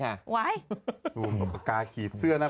พระปากกาขีดเสื้อเดี๋ยวน่ะ